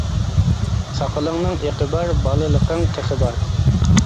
ساقىلىڭنىڭ ئېقى بار، بالىلىقىڭ تېخى بار.